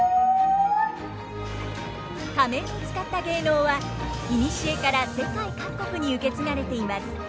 仮面を使った芸能はいにしえから世界各国に受け継がれています。